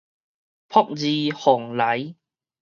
駁二蓬萊